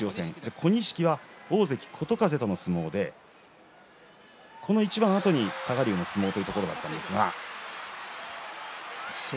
小錦は大関琴風との相撲でこの一番あとに多賀竜の相撲だったんですが。